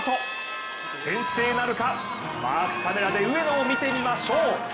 先制なるか、マークカメラで上野を見てみましょう。